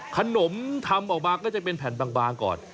ขนมทำออกมาก็จะเป็นแผ่นบางก่อน